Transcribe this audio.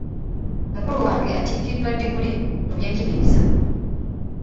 Mukulu wange atikiddwa ddiguli mu by'enjigiriza .